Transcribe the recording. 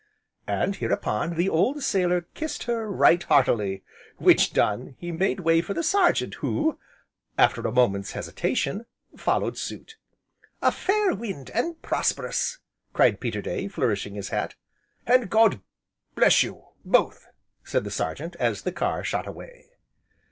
And, hereupon, the old sailor kissed her, right heartily. Which done, he made way for the Sergeant who, after a moment's hesitation, followed suit. "A fair wind, and prosperous!" cried Peterday, flourishing his hat. "And God bless you both!" said the Sergeant as the car shot away.